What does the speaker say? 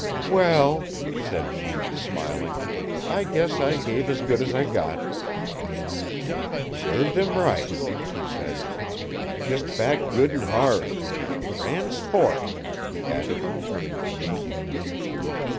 'Well,' said she, smiling, 'I guess I gave as good as I got.' 'Served him right,' he said. 'You kissed back good 'n hard. Gran sport!' he added turning to me.